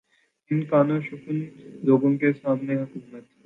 ان قانوں شکن لوگوں کے سامنے حکومت